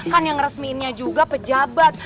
kan yang resmiinnya juga pejabat